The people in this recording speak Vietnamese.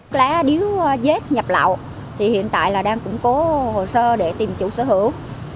thuốc lá điếu nhập lậu hiện tại đang củng cố hồ sơ để tìm chủ sở hữu